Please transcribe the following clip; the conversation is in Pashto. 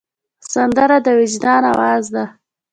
سندره د وجدان آواز ده